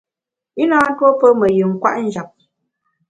I na ntuo tuo pé me yin kwet njap.